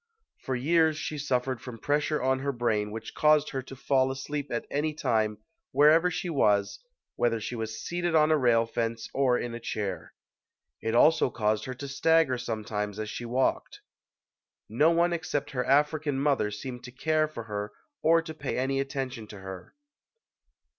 For years she suffered from pressure on her brain which caused her to fall asleep at any time, wherever she was, whether she was seated on a rail fence or in a chair. It also caused her to stagger sometimes as she walked. No one except her African mother seemed to care for her or to pay any attention to her.